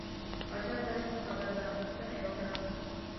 پاچا صاحب څه خبره ده پوښتنه یې وکړه.